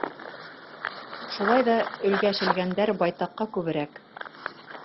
Шулай ҙа өлгәшелгәндәр байтаҡҡа күберәк.